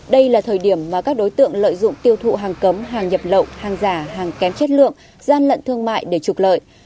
đây là thời điểm mà các đối tượng lợi dụng tiêu thụ hàng cấm hàng nhập lậu hàng giả hàng kém chất lượng gian lận thương mại để trục lợi